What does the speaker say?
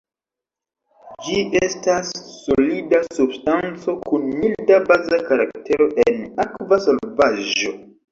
Ĝi estas solida substanco kun milda baza karaktero en akva solvaĵo.